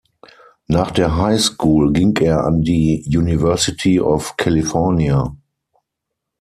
Nach der High School ging er an die University of California.